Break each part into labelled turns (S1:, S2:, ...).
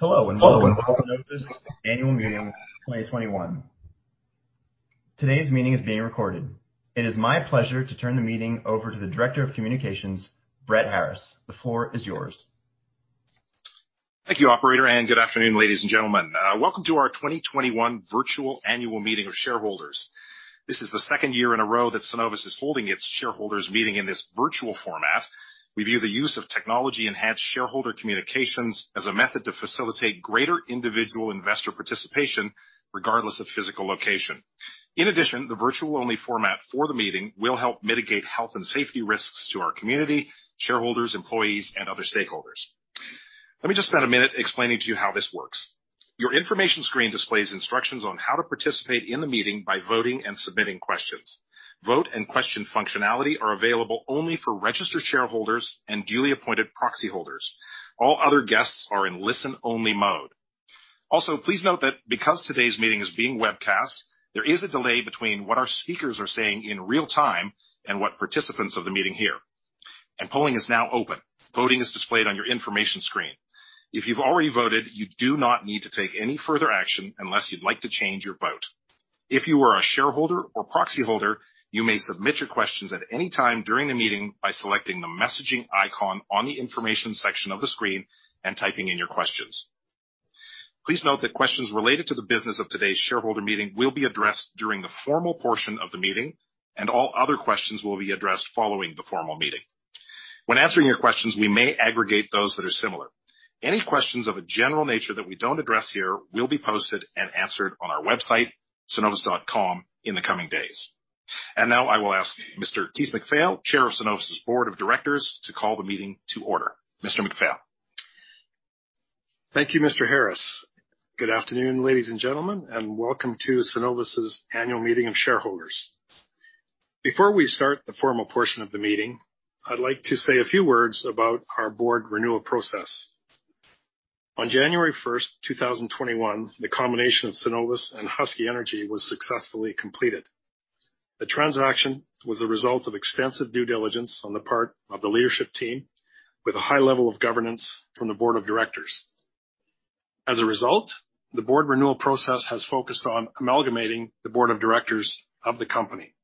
S1: Hello and Welcome to Cenovus Annual Meeting 2021. Today's meeting is being recorded. It is my pleasure to turn the meeting over to the Director of Communications, Brett Harris. The floor is yours.
S2: Thank you, Operator. Good afternoon, ladies and gentlemen. Welcome to our 2021 Virtual Annual Meeting of Shareholders. This is the second year in a row that Cenovus is holding its shareholders' meeting in this virtual format. We view the use of technology-enhanced shareholder communications as a method to facilitate greater individual investor participation, regardless of physical location. In addition, the virtual-only format for the meeting will help mitigate health and safety risks to our community, shareholders, employees, and other stakeholders. Let me just spend a minute explaining to you how this works. Your information screen displays instructions on how to participate in the meeting by voting and submitting questions. Vote and question functionality are available only for registered shareholders and duly appointed proxy holders. All other guests are in listen-only mode. Also, please note that because today's meeting is being webcast, there is a delay between what our speakers are saying in real time and what participants of the meeting hear. Polling is now open. Voting is displayed on your information screen. If you've already voted, you do not need to take any further action unless you'd like to change your vote. If you are a shareholder or proxy holder, you may submit your questions at any time during the meeting by selecting the messaging icon on the information section of the screen and typing in your questions. Please note that questions related to the business of today's shareholder meeting will be addressed during the formal portion of the meeting, and all other questions will be addressed following the formal meeting. When answering your questions, we may aggregate those that are similar. Any questions of a general nature that we do not address here will be posted and answered on our website, cenovus.com, in the coming days. I will now ask Mr. Keith MacPhail, Chair of Cenovus' Board of Directors, to call the meeting to order. Mr. MacPhail.
S3: Thank you, Mr. Harris. Good afternoon, ladies and gentlemen, and welcome to Cenovus' Annual Meeting of Shareholders. Before we start the formal portion of the meeting, I'd like to say a few words about our board renewal process. On January 1st, 2021, the combination of Cenovus and Husky Energy was successfully completed. The transaction was the result of extensive due diligence on the part of the leadership team, with a high level of governance from the Board of Directors. As a result, the board renewal process has focused on amalgamating the Board of Directors of the company.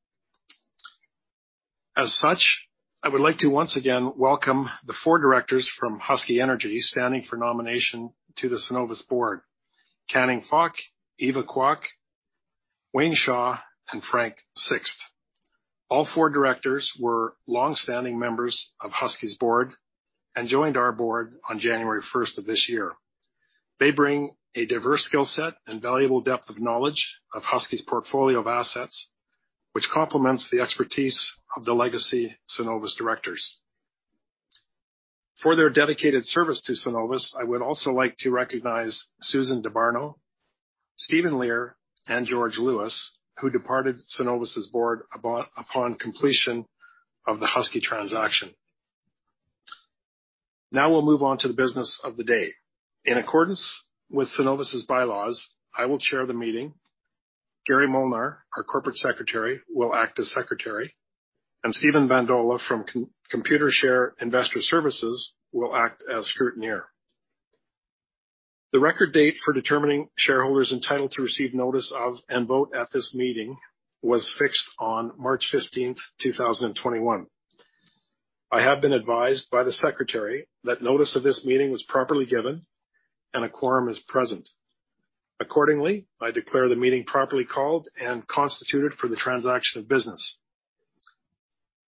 S3: As such, I would like to once again welcome the four directors from Husky Energy, standing for nomination to the Cenovus board: Canning Fok, Eva Kwok, Wayne Shaw, and Frank Sixt. All four directors were long-standing members of Husky's board and joined our board on January 1st of this year. They bring a diverse skill set and valuable depth of knowledge of Husky's portfolio of assets, which complements the expertise of the legacy Cenovus directors. For their dedicated service to Cenovus, I would also like to recognize Susan Dabarno, Steven Leer, and George Lewis, who departed Cenovus' board upon completion of the Husky transaction. Now we'll move on to the business of the day. In accordance with Cenovus' bylaws, I will chair the meeting. Gary Molnar, our Corporate Secretary, will act as Secretary, and Steven Beadenkopf from Computershare Investor Services will act as Scrutineer. The record date for determining shareholders entitled to receive notice of and vote at this meeting was fixed on March 15th, 2021. I have been advised by the Secretary that notice of this meeting was properly given and a quorum is present. Accordingly, I declare the meeting properly called and constituted for the transaction of business.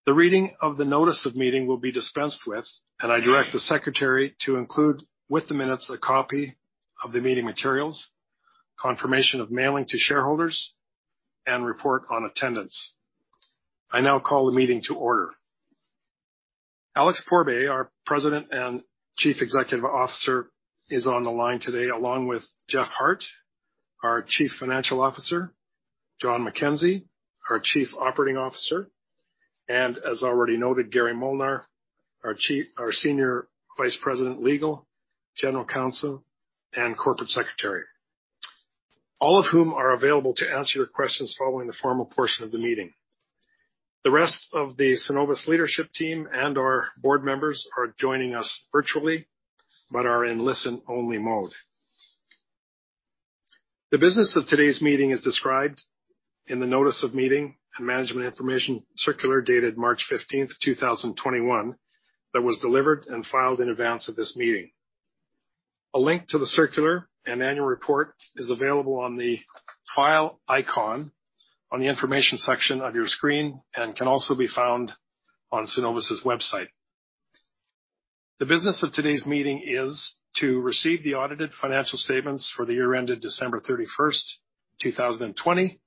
S3: The reading of the notice of meeting will be dispensed with, and I direct the Secretary to include with the minutes a copy of the meeting materials, confirmation of mailing to shareholders, and report on attendance. I now call the meeting to order. Alex Pourbaix, our President and Chief Executive Officer, is on the line today, along with Jeff Hart, our Chief Financial Officer; Jon McKenzie, our Chief Operating Officer; and, as already noted, Gary Molnar, our Senior Vice President Legal, General Counsel, and Corporate Secretary, all of whom are available to answer your questions following the formal portion of the meeting. The rest of the Cenovus leadership team and our board members are joining us virtually but are in listen-only mode. The business of today's meeting is described in the notice of meeting and management information circular dated March 15th, 2021, that was delivered and filed in advance of this meeting. A link to the circular and annual report is available on the file icon on the information section of your screen and can also be found on Cenovus' website. The business of today's meeting is to receive the audited financial statements for the year ended December 31st, 2020,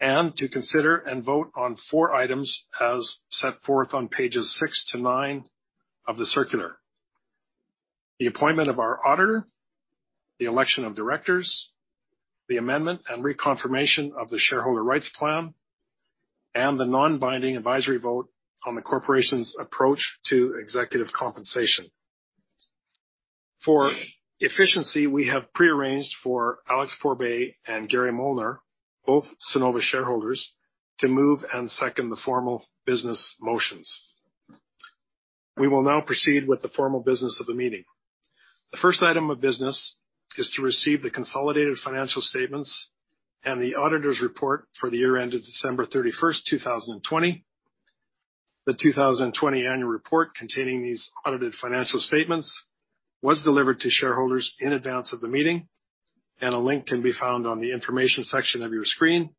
S3: and to consider and vote on four items as set forth on pages six to nine of the circular: the appointment of our auditor, the election of directors, the amendment and reconfirmation of the shareholder rights plan, and the non-binding advisory vote on the corporation's approach to executive compensation. For efficiency, we have prearranged for Alex Pourbaix and Gary Molnar, both Cenovus shareholders, to move and second the formal business motions. We will now proceed with the formal business of the meeting. The first item of business is to receive the consolidated financial statements and the auditor's report for the year ended December 31st, 2020. The 2020 annual report containing these audited financial statements was delivered to shareholders in advance of the meeting, and a link can be found on the information section of your screen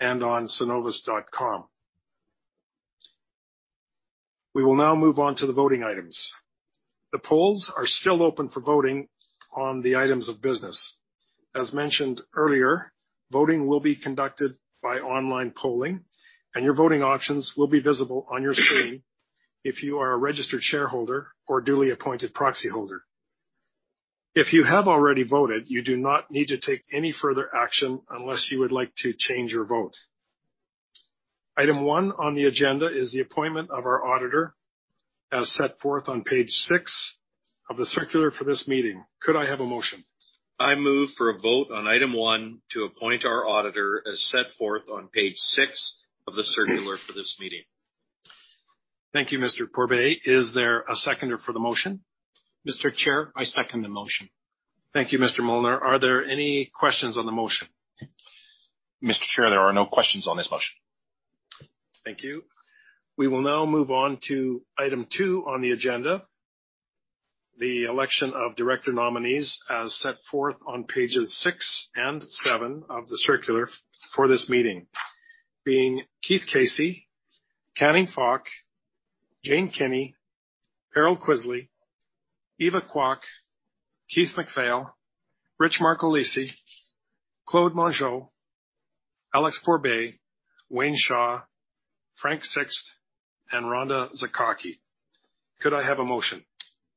S3: and on cenovus.com. We will now move on to the voting items. The polls are still open for voting on the items of business. As mentioned earlier, voting will be conducted by online polling, and your voting options will be visible on your screen if you are a registered shareholder or duly appointed proxy holder. If you have already voted, you do not need to take any further action unless you would like to change your vote. Item one on the agenda is the appointment of our auditor, as set forth on page six of the circular for this meeting. Could I have a motion?
S4: I move for a vote on item one to appoint our auditor, as set forth on page six of the circular for this meeting.
S3: Thank you, Mr. Pourbaix. Is there a seconder for the motion?
S5: Mr. Chair, I second the motion.
S3: Thank you, Mr. Molnar. Are there any questions on the motion?
S6: Mr. Chair, there are no questions on this motion.
S3: Thank you. We will now move on to item two on the agenda, the election of director nominees, as set forth on pages six and seven of the circular for this meeting, being Keith Casey, Canning Fok, Jane Kinney, Harold Kvisle, Eva Kwok, Keith MacPhail, Richard Marcogliese, Claude Mongeau, Alex Pourbaix, Wayne Shaw, Frank Sixt, and Rhonda Zygocki. Could I have a motion?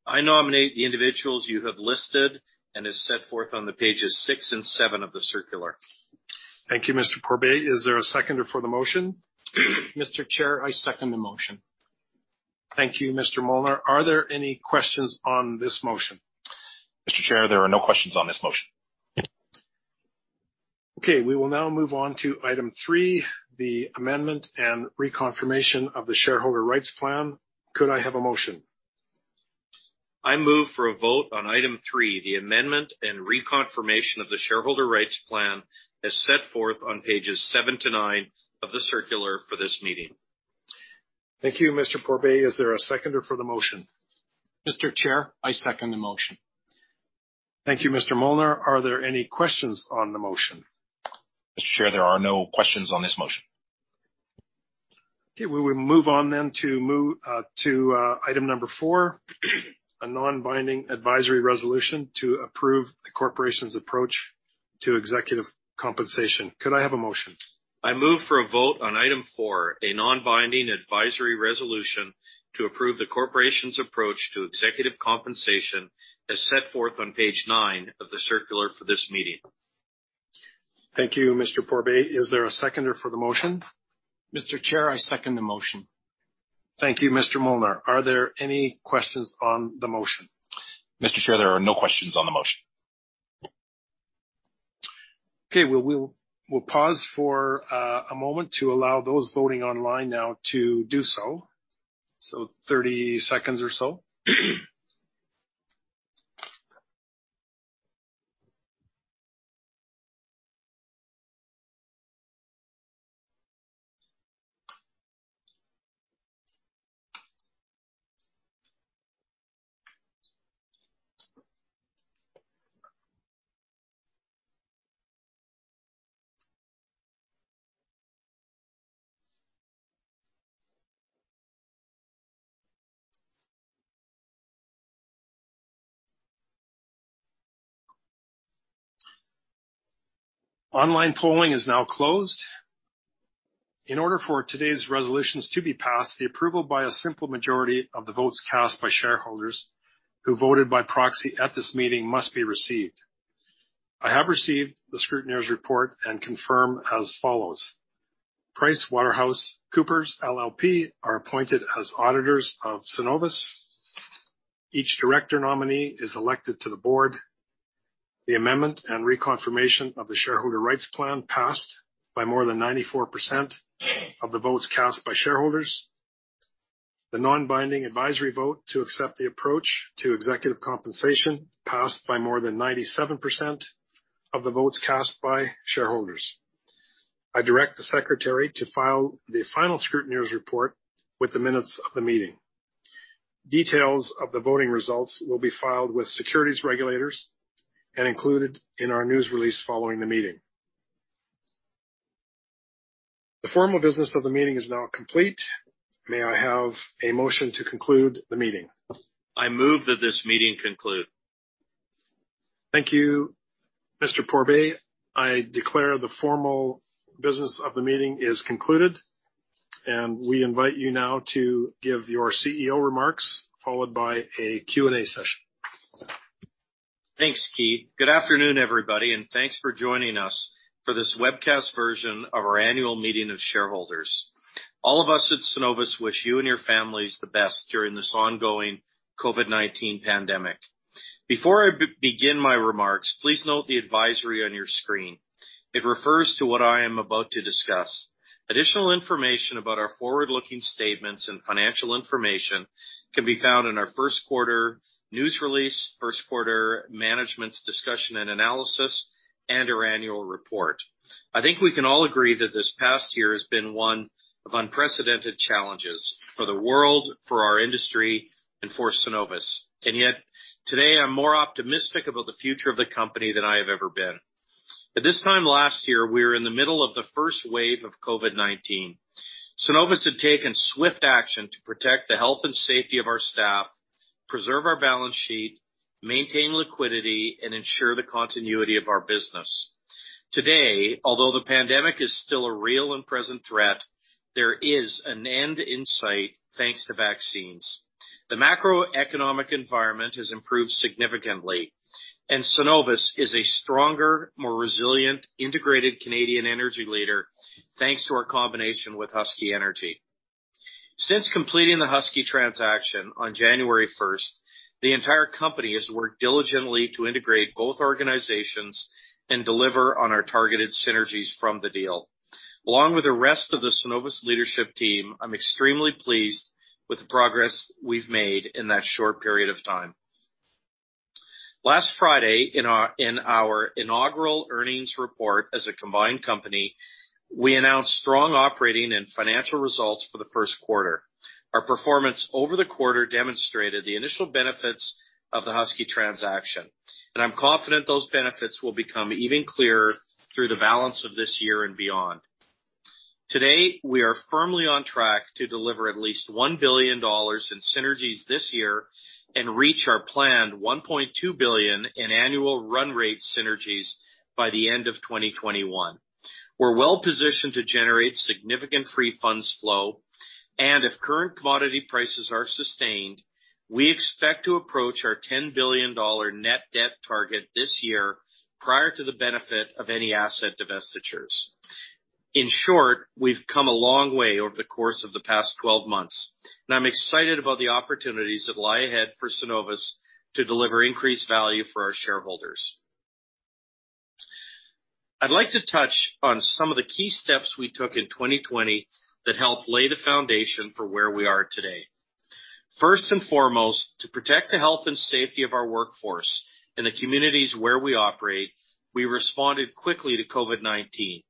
S4: I nominate the individuals you have listed and as set forth on pages six and seven of the circular.
S3: Thank you, Mr. Pourbaix. Is there a seconder for the motion?
S5: Mr. Chair, I second the motion.
S3: Thank you, Mr. Molnar. Are there any questions on this motion?
S6: Mr. Chair, there are no questions on this motion.
S3: Okay. We will now move on to item three, the amendment and reconfirmation of the shareholder rights plan. Could I have a motion?
S4: I move for a vote on item three, the amendment and reconfirmation of the shareholder rights plan, as set forth on pages seven to nine of the circular for this meeting.
S3: Thank you, Mr. Pourbaix. Is there a seconder for the motion?
S5: Mr. Chair, I second the motion.
S3: Thank you, Mr. Molnar. Are there any questions on the motion?
S6: Mr. Chair, there are no questions on this motion.
S3: Okay. We will move on then to item number four, a non-binding advisory resolution to approve the corporation's approach to executive compensation. Could I have a motion?
S4: I move for a vote on item four, a non-binding advisory resolution to approve the corporation's approach to executive compensation, as set forth on page nine of the circular for this meeting.
S3: Thank you, Mr. Pourbaix. Is there a seconder for the motion?
S5: Mr. Chair, I second the motion.
S3: Thank you, Mr. Molnar. Are there any questions on the motion?
S6: Mr. Chair, there are no questions on the motion.
S3: Okay. We'll pause for a moment to allow those voting online now to do so, so 30 seconds or so. Online polling is now closed. In order for today's resolutions to be passed, the approval by a simple majority of the votes cast by shareholders who voted by proxy at this meeting must be received. I have received the Scrutineer's report and confirm as follows: PricewaterhouseCoopers LLP are appointed as auditors of Cenovus. Each director nominee is elected to the board. The amendment and reconfirmation of the shareholder rights plan passed by more than 94% of the votes cast by shareholders. The non-binding advisory vote to accept the approach to executive compensation passed by more than 97% of the votes cast by shareholders. I direct the Secretary to file the final Scrutineer's report with the minutes of the meeting. Details of the voting results will be filed with securities regulators and included in our news release following the meeting. The formal business of the meeting is now complete. May I have a motion to conclude the meeting?
S4: I move that this meeting conclude.
S3: Thank you, Mr. Pourbaix. I declare the formal business of the meeting is concluded, and we invite you now to give your CEO remarks, followed by a Q&A session.
S4: Thanks, Keith. Good afternoon, everybody, and thanks for joining us for this webcast version of our annual meeting of shareholders. All of us at Cenovus wish you and your families the best during this ongoing COVID-19 pandemic. Before I begin my remarks, please note the advisory on your screen. It refers to what I am about to discuss. Additional information about our forward-looking statements and financial information can be found in our first quarter news release, first quarter management's discussion and analysis, and our annual report. I think we can all agree that this past year has been one of unprecedented challenges for the world, for our industry, and for Cenovus. Yet today, I'm more optimistic about the future of the company than I have ever been. At this time last year, we were in the middle of the first wave of COVID-19. Cenovus had taken swift action to protect the health and safety of our staff, preserve our balance sheet, maintain liquidity, and ensure the continuity of our business. Today, although the pandemic is still a real and present threat, there is an end in sight thanks to vaccines. The macroeconomic environment has improved significantly, and Cenovus is a stronger, more resilient, integrated Canadian energy leader thanks to our combination with Husky Energy. Since completing the Husky transaction on January 1st, the entire company has worked diligently to integrate both organizations and deliver on our targeted synergies from the deal. Along with the rest of the Cenovus leadership team, I'm extremely pleased with the progress we've made in that short period of time. Last Friday, in our inaugural earnings report as a combined company, we announced strong operating and financial results for the first quarter. Our performance over the quarter demonstrated the initial benefits of the Husky transaction, and I'm confident those benefits will become even clearer through the balance of this year and beyond. Today, we are firmly on track to deliver at least $1 billion in synergies this year and reach our planned $1.2 billion in annual run rate synergies by the end of 2021. We're well positioned to generate significant free funds flow, and if current commodity prices are sustained, we expect to approach our $10 billion net debt target this year prior to the benefit of any asset divestitures. In short, we've come a long way over the course of the past 12 months, and I'm excited about the opportunities that lie ahead for Cenovus to deliver increased value for our shareholders. I'd like to touch on some of the key steps we took in 2020 that helped lay the foundation for where we are today. First and foremost, to protect the health and safety of our workforce and the communities where we operate, we responded quickly to COVID-19.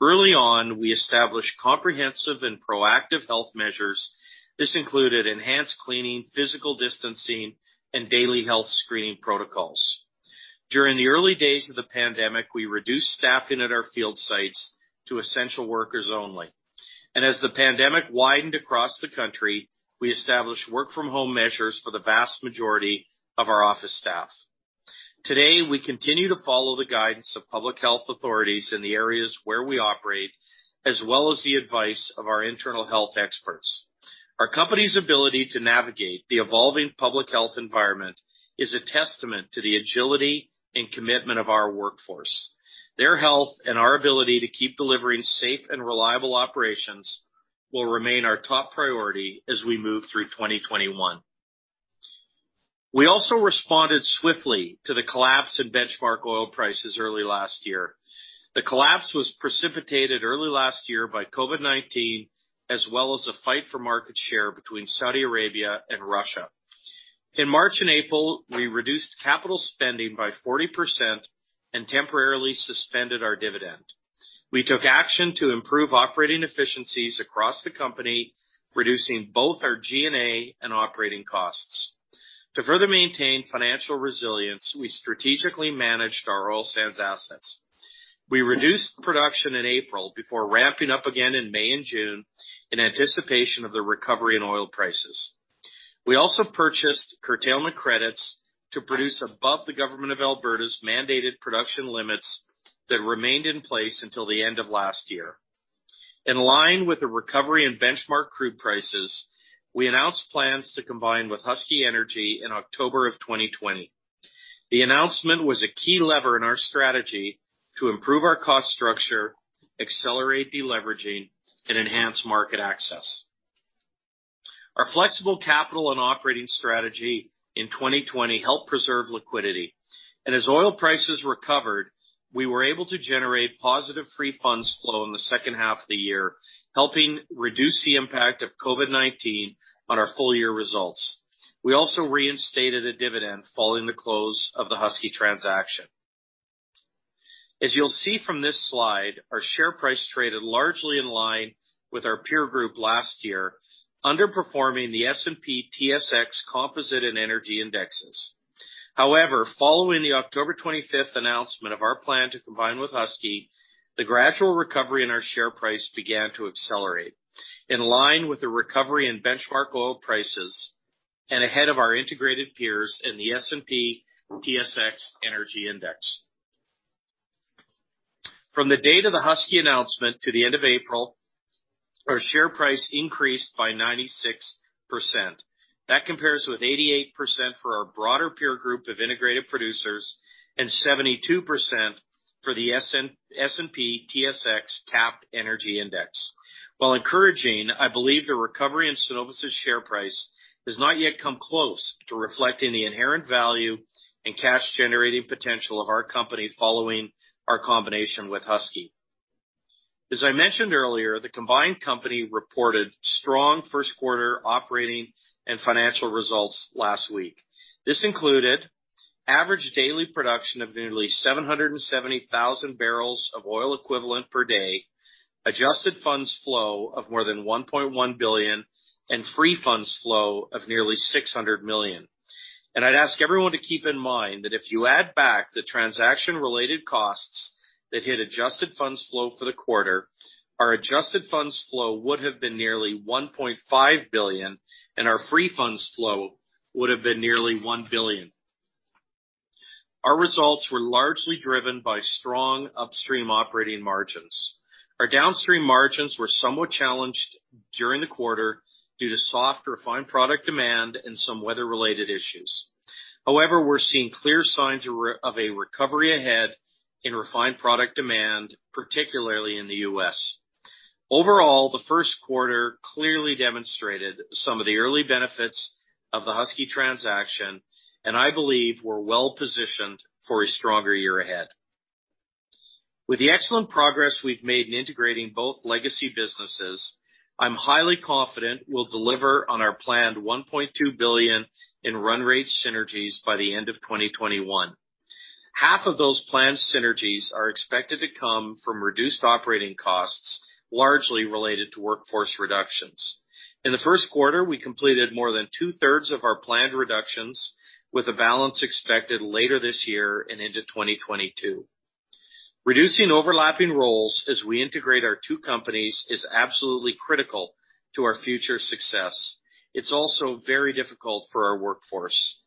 S4: Early on, we established comprehensive and proactive health measures. This included enhanced cleaning, physical distancing, and daily health screening protocols. During the early days of the pandemic, we reduced staffing at our field sites to essential workers only. As the pandemic widened across the country, we established work-from-home measures for the vast majority of our office staff. Today, we continue to follow the guidance of public health authorities in the areas where we operate, as well as the advice of our internal health experts. Our company's ability to navigate the evolving public health environment is a testament to the agility and commitment of our workforce. Their health and our ability to keep delivering safe and reliable operations will remain our top priority as we move through 2021. We also responded swiftly to the collapse in benchmark oil prices early last year. The collapse was precipitated early last year by COVID-19, as well as a fight for market share between Saudi Arabia and Russia. In March and April, we reduced capital spending by 40% and temporarily suspended our dividend. We took action to improve operating efficiencies across the company, reducing both our G&A and operating costs. To further maintain financial resilience, we strategically managed our oil sands assets. We reduced production in April before ramping up again in May and June in anticipation of the recovery in oil prices. We also purchased curtailment credits to produce above the Government of Alberta's mandated production limits that remained in place until the end of last year. In line with the recovery in benchmark crude prices, we announced plans to combine with Husky Energy in October of 2020. The announcement was a key lever in our strategy to improve our cost structure, accelerate deleveraging, and enhance market access. Our flexible capital and operating strategy in 2020 helped preserve liquidity. As oil prices recovered, we were able to generate positive free funds flow in the second half of the year, helping reduce the impact of COVID-19 on our full-year results. We also reinstated a dividend following the close of the Husky transaction. As you'll see from this slide, our share price traded largely in line with our peer group last year, underperforming the S&P/TSX Composite and Energy Indexes. However, following the October 25th announcement of our plan to combine with Husky, the gradual recovery in our share price began to accelerate, in line with the recovery in benchmark oil prices and ahead of our integrated peers in the S&P/TSX Energy Index. From the date of the Husky announcement to the end of April, our share price increased by 96%. That compares with 88% for our broader peer group of integrated producers and 72% for the S&P/TSX Capped Energy Index. While encouraging, I believe the recovery in Cenovus's share price has not yet come close to reflecting the inherent value and cash-generating potential of our company following our combination with Husky. As I mentioned earlier, the combined company reported strong first-quarter operating and financial results last week. This included average daily production of nearly 770,000 barrels of oil equivalent per day, adjusted funds flow of more than $1.1 billion, and free funds flow of nearly $600 million. I would ask everyone to keep in mind that if you add back the transaction-related costs that hit adjusted funds flow for the quarter, our adjusted funds flow would have been nearly $1.5 billion, and our free funds flow would have been nearly $1 billion. Our results were largely driven by strong upstream operating margins. Our downstream margins were somewhat challenged during the quarter due to soft refined product demand and some weather-related issues. However, we are seeing clear signs of a recovery ahead in refined product demand, particularly in the U.S. Overall, the first quarter clearly demonstrated some of the early benefits of the Husky transaction, and I believe we are well positioned for a stronger year ahead. With the excellent progress we've made in integrating both legacy businesses, I'm highly confident we'll deliver on our planned $1.2 billion in run rate synergies by the end of 2021. Half of those planned synergies are expected to come from reduced operating costs, largely related to workforce reductions. In the first quarter, we completed more than two-thirds of our planned reductions, with a balance expected later this year and into 2022. Reducing overlapping roles as we integrate our two companies is absolutely critical to our future success. It's also very difficult for our workforce.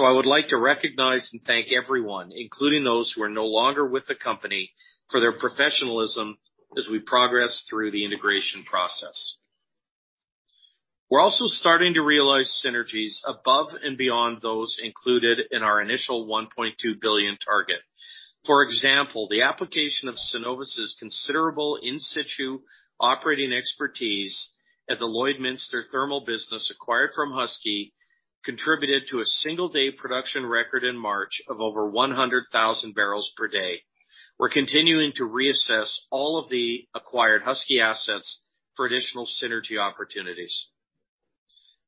S4: I would like to recognize and thank everyone, including those who are no longer with the company, for their professionalism as we progress through the integration process. We're also starting to realize synergies above and beyond those included in our initial $1.2 billion target. For example, the application of Cenovus's considerable in-situ operating expertise at the Lloydminster Thermal Business acquired from Husky contributed to a single-day production record in March of over 100,000 barrels per day. We're continuing to reassess all of the acquired Husky assets for additional synergy opportunities.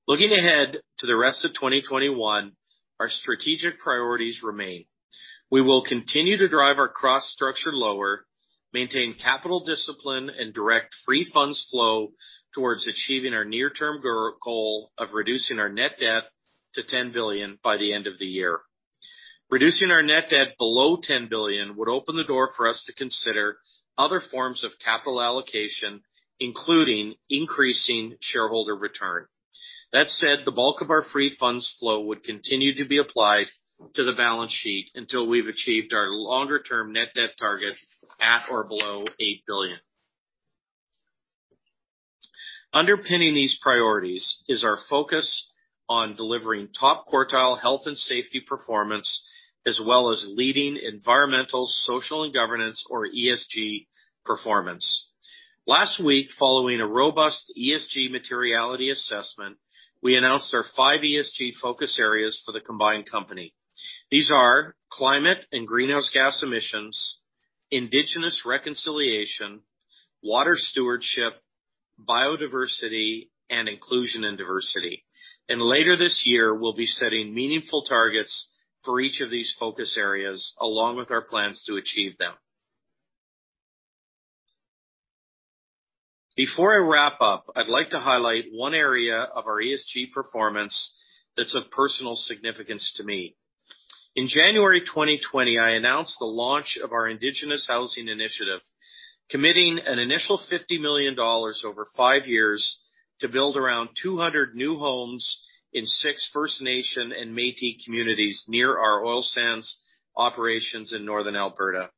S4: Looking ahead to the rest of 2021, our strategic priorities remain. We will continue to drive our cost structure lower, maintain capital discipline, and direct free funds flow towards achieving our near-term goal of reducing our net debt to $10 billion by the end of the year. Reducing our net debt below $10 billion would open the door for us to consider other forms of capital allocation, including increasing shareholder return. That said, the bulk of our free funds flow would continue to be applied to the balance sheet until we've achieved our longer-term net debt target at or below $8 billion. Underpinning these priorities is our focus on delivering top quartile health and safety performance, as well as leading Environmental, Social, and Governance, or ESG performance. Last week, following a robust ESG materiality assessment, we announced our five ESG focus areas for the combined company. These are climate and greenhouse gas emissions, Indigenous reconciliation, water stewardship, biodiversity, and inclusion and diversity. Later this year, we will be setting meaningful targets for each of these focus areas, along with our plans to achieve them. Before I wrap up, I'd like to highlight one area of our ESG performance that's of personal significance to me. In January 2020, I announced the launch of our Indigenous Housing Initiative, committing an initial $50 million over five years to build around 200 new homes in six First Nation and Métis communities near our oil sands operations in Northern Alberta.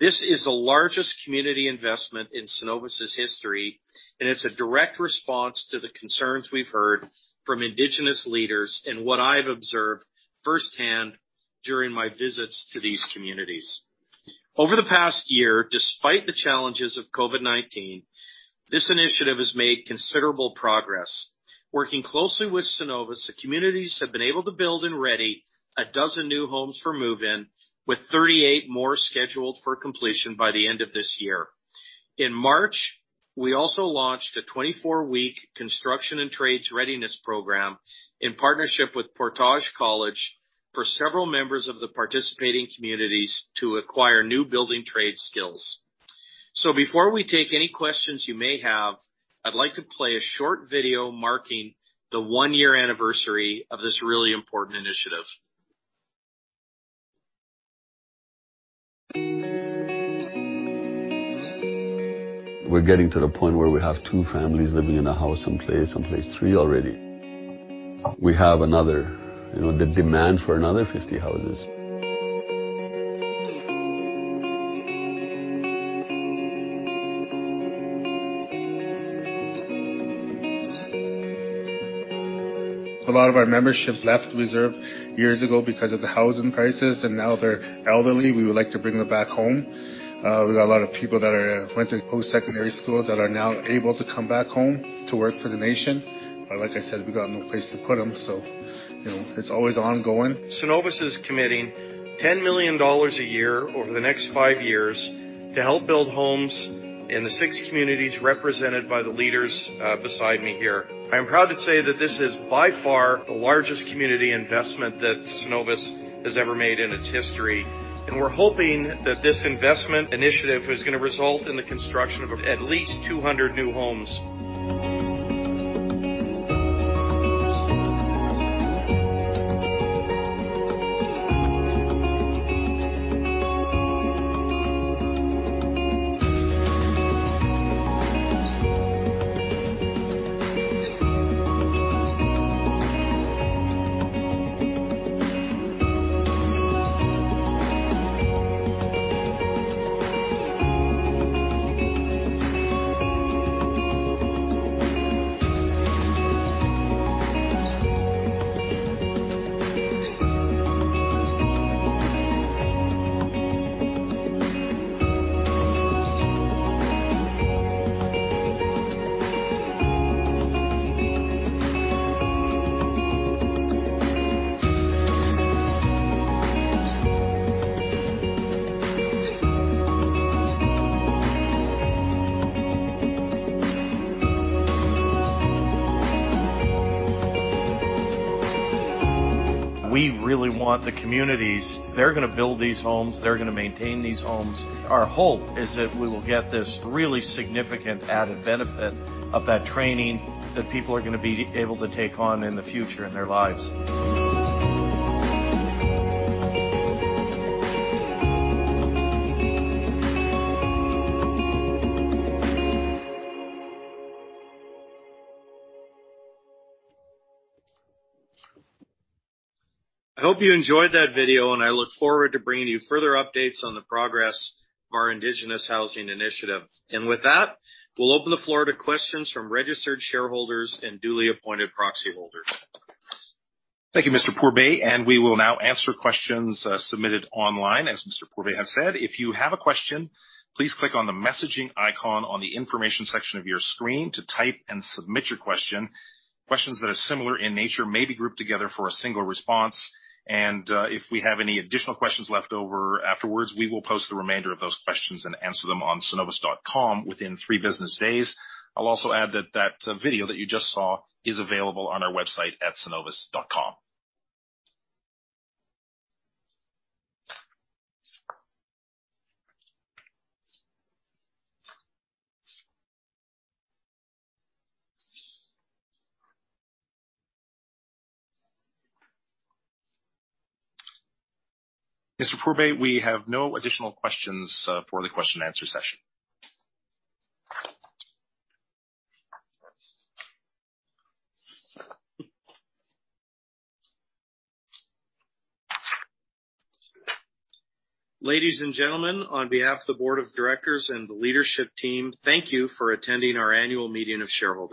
S4: This is the largest community investment in Cenovus's history, and it's a direct response to the concerns we've heard from Indigenous leaders and what I've observed firsthand during my visits to these communities. Over the past year, despite the challenges of COVID-19, this initiative has made considerable progress. Working closely with Cenovus, the communities have been able to build and ready a dozen new homes for move-in, with 38 more scheduled for completion by the end of this year. In March, we also launched a 24-week construction and trades readiness program in partnership with Portage College for several members of the participating communities to acquire new building trade skills. Before we take any questions you may have, I'd like to play a short video marking the one-year anniversary of this really important initiative. We're getting to the point where we have two families living in a house in place in place three already. We have another, you know, the demand for another 50 houses. A lot of our memberships left Reserve years ago because of the housing crisis, and now they're elderly. We would like to bring them back home. We got a lot of people that went to post-secondary schools that are now able to come back home to work for the nation. Like I said, we got no place to put them. You know, it's always ongoing. Cenovus is committing $10 million a year over the next five years to help build homes in the six communities represented by the leaders beside me here. I am proud to say that this is by far the largest community investment that Cenovus has ever made in its history. We are hoping that this investment initiative is going to result in the construction of at least 200 new homes. We really want the communities. They are going to build these homes. They are going to maintain these homes. Our hope is that we will get this really significant added benefit of that training that people are going to be able to take on in the future in their lives. I hope you enjoyed that video, and I look forward to bringing you further updates on the progress of our Indigenous Housing Initiative. With that, we will open the floor to questions from registered shareholders and duly appointed proxy holders.
S2: Thank you, Mr. Pourbaix, and we will now answer questions submitted online. As Mr. Pourbaix has said, if you have a question, please click on the messaging icon on the information section of your screen to type and submit your question. Questions that are similar in nature may be grouped together for a single response. If we have any additional questions left over afterwards, we will post the remainder of those questions and answer them on cenovus.com within three business days. I'll also add that that video that you just saw is available on our website at cenovus.com. Mr. Pourbaix, we have no additional questions for the question-and-answer session.
S4: Ladies and gentlemen, on behalf of the board of directors and the leadership team, thank you for attending our annual meeting of shareholders.